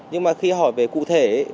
nhưng mà khi hỏi về cụ thể